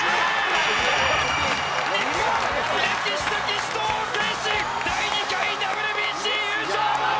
日本歴史的死闘を制し第２回ＷＢＣ優勝！